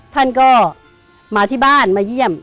ท่านก็มาที่บ้านมาเยี่ยม